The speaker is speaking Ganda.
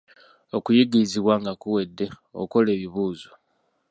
Okuyigirizibwa nga kuwedde, okola ebibuuzo.